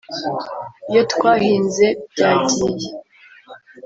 ibyo twahinze byagiye